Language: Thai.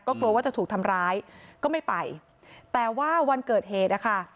กลัวว่าจะถูกทำร้ายก็ไม่ไปแต่ว่าวันเกิดเหตุนะคะ